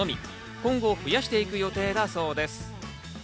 今後増やしていく予定だそうです。